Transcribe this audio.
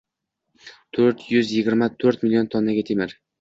To'rt yuz yigirma to'rt million tonna temir